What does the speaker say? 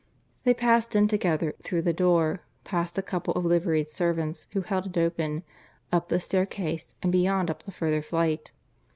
They passed in together through the door, past a couple of liveried servants who held it open, up the staircase and beyond up the further flight.